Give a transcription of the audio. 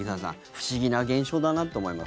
不思議な現象だなと思います。